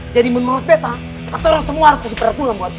jadi menurut beta kata orang semua harus kasih perhitungan buat dia